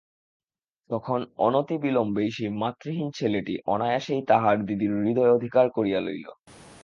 তখন অনতিবিলম্বেই সেই মাতৃহীন ছেলেটি অনায়াসেই তাহার দিদির হৃদয় অধিকার করিয়া লইল।